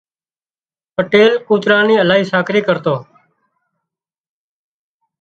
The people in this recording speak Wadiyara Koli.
پٽيل ڪوترا ني الاهي ساڪري ڪرتو